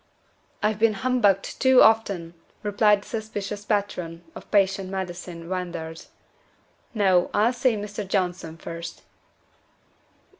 "I've been humbugged too often!" replied the suspicious patron of patent medicine venders. "No; I'll see Mr. Johnson first."